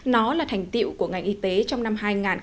nó là thành tiệu của ngành y tế trong năm hai nghìn một mươi tám